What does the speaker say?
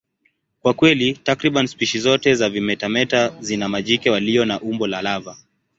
Kwa kweli, takriban spishi zote za vimetameta zina majike walio na umbo la lava.